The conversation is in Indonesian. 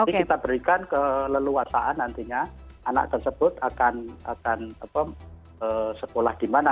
jadi kita berikan keleluasaan nantinya anak tersebut akan sekolah di mana